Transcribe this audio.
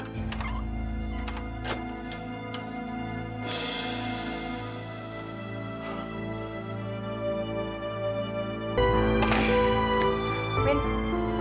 kayaknya pernyataan suara